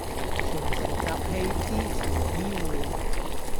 全城集氣支持醫護